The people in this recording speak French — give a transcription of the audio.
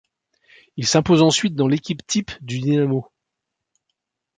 Il s'impose ensuite dans l'équipe-type du Dinamo.